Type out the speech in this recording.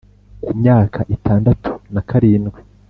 ku myaka itandatu na karindwi